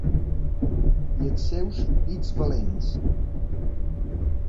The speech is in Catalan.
I els seus pits valents.